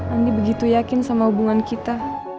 andi begitu yakin sama hubungan kita